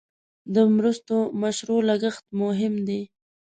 د مرستو مشروع لګښت مهم دی.